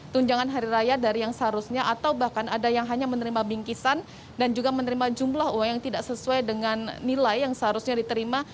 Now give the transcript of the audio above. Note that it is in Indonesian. tunjangan hari raya dari yang seharusnya atau bahkan ada yang hanya menerima bingkisan dan juga menerima jumlah uang yang tidak sesuai dengan nilai yang seharusnya diterima